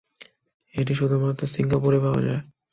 এটি শুধুমাত্র সিঙ্গাপুরে পাওয়া যায়।